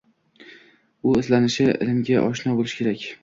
U izlanishi, ilmga oshno boʻlishi kerak